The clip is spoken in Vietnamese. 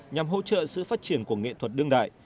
nhằm hỗ trợ sự phát triển của nghệ thuật đương đại